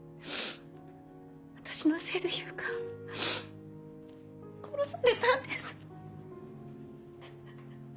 私のせいで悠香は殺されたんです。